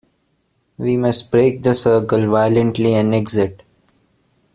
We must break the circle violently and exit.